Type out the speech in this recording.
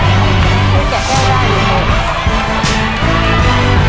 หูแกะถ้วยลองไว้ด้วยดู